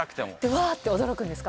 わーって驚くんですか。